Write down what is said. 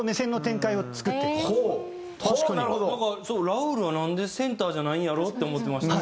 ラウールはなんでセンターじゃないんやろって思ってました。